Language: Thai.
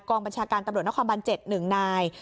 บัญชาการตำรวจนครบัน๗๑นาย